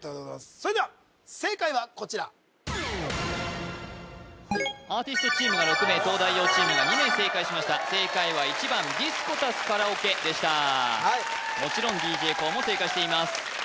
それでは正解はこちらアーティストチームが６名東大王チームが２名正解しました正解は１番ディスコ＋カラオケでしたもちろんＤＪＫＯＯも正解しています